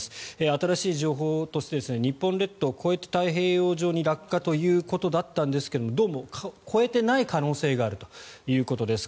新しい情報として日本列島を越えて太平洋上に越えたということだったんですがどうも越えていない可能性があるということです。